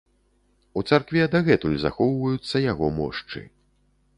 У царкве дагэтуль захоўваюцца яго мошчы.